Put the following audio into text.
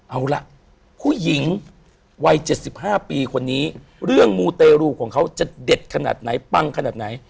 เอาล่ะผู้หญิงวัย๗๕ปีคนนี้เรื่องมูเตรูของเขาจะเด็ดขนาดไหนปังขนาดไหน